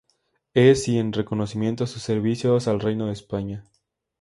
Es y en reconocimiento a sus servicios al Reino de España.